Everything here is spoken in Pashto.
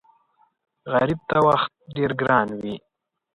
غریب ته وخت ډېر ګران وي